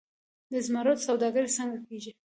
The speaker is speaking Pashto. د زمرد سوداګري څنګه کیږي؟